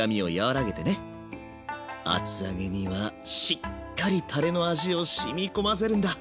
厚揚げにはしっかりたれの味を染み込ませるんだ。